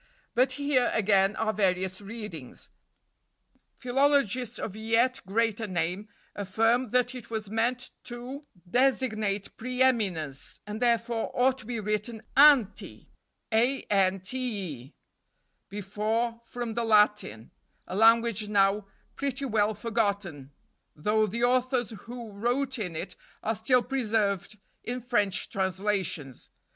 But here, again, are various readings. Philologists of yet greater name affirm that it was meant to designate pre eminence, and therefore ought to be written ante, before, from the Latin, a language now pretty well forgotten, though the authors who wrote in it are still preserved in French translations.